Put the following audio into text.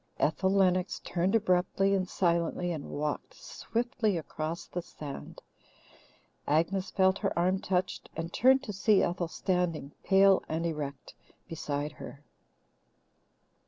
Ethel Lennox turned abruptly and silently and walked swiftly across the sand. Agnes felt her arm touched, and turned to see Ethel standing, pale and erect, beside her.